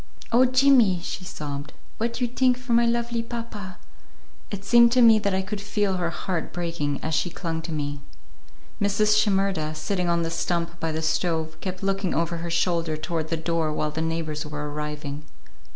"Oh, Jimmy," she sobbed, "what you tink for my lovely papa!" It seemed to me that I could feel her heart breaking as she clung to me. Mrs. Shimerda, sitting on the stump by the stove, kept looking over her shoulder toward the door while the neighbors were arriving.